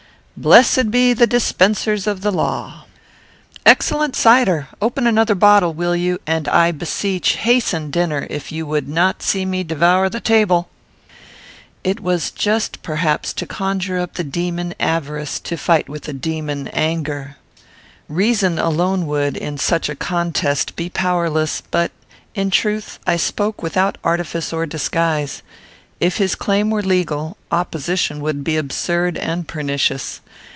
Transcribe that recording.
Blessed be the dispensers of law! Excellent cider! open another bottle, will you, and, I beseech, hasten dinner, if you would not see me devour the table." It was just, perhaps, to conjure up the demon avarice to fight with the demon anger. Reason alone would, in such a contest, be powerless, but, in truth, I spoke without artifice or disguise. If his claim were legal, opposition would be absurd and pernicious.